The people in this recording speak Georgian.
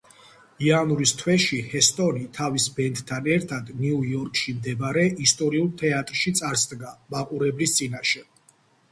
იანვრის თვეში ჰესტონი თავის ბენდთან ერთად ნიუ-იორკში მდებარე ისტორიულ თეატრში წარსდგა მაყურებლის წინაშე.